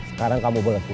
sekarang kamu boleh keluar